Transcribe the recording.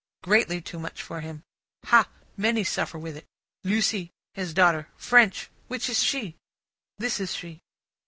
Greatly too much for him. "Hah! Many suffer with it. Lucie. His daughter. French. Which is she?" This is she.